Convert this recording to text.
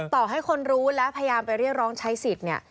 ต่อให้คนรู้และพยายามไปเรียกร้องใช้สิทธิ์เนี่ย